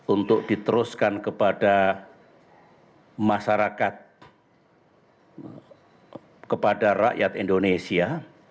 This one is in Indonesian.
untuk diteruskan kepada masyarakat kepada rakyat indonesia